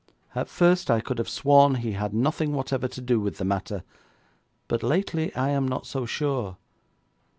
At first I could have sworn he had nothing whatever to do with the matter, but lately I am not so sure.